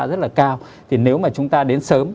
rất là cao thì nếu mà chúng ta đến sớm